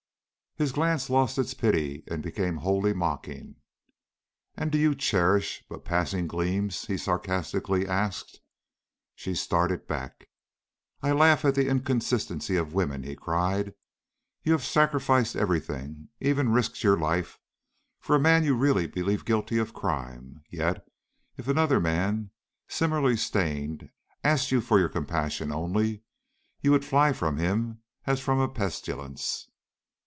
His glance lost its pity and became wholly mocking. "And do you cherish but passing gleams?" he sarcastically asked. She started back. "I laugh at the inconsistency of women," he cried. "You have sacrificed every thing, even risked your life for a man you really believe guilty of crime; yet if another man similarly stained asked you for your compassion only, you would fly from him as from a pestilence."